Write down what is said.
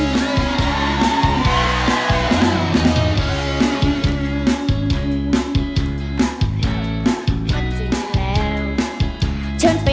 มา